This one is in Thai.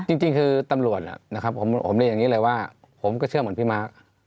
จริงจริงคือตำรวจผมเรียกอย่างนี้เลยว่าผมก็เชื่อเหมือนพี่มาร์ค